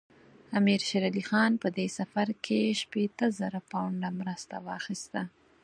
امیر شېر علي خان په دې سفر کې شپېته زره پونډه مرسته واخیسته.